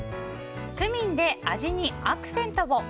クミンで味にアクセントを！